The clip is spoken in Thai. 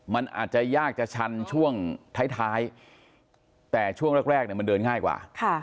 มันอาจจะยากจะชันช่วงท้ายแต่ช่วงแรกมันเดินง่ายกว่า